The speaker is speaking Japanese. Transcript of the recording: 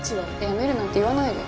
辞めるなんて言わないで。